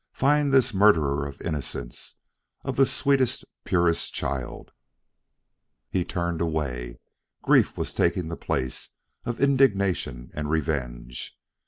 Find this murderer of innocence! of the sweetest, purest child " He turned away; grief was taking the place of indignation and revenge.